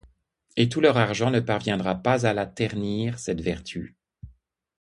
Et tout leur argent ne parviendra pas à la ternir cette vertu.